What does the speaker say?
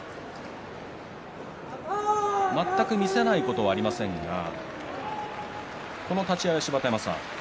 全く見せないことはありませんがこの立ち合いは芝田山さん